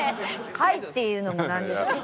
「はい」って言うのもなんですけど。